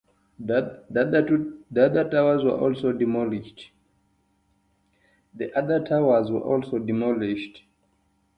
The other towers were also demolished.